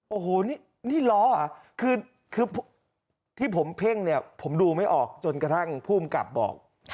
โอ้โหนี่ล้อเหรอคือที่ผมเพ่งเนี่ยผมดูไม่ออกจนกระทั่งภูมิกับบอก